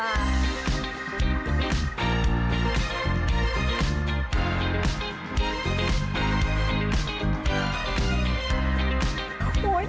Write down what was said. อ้านหรือมาน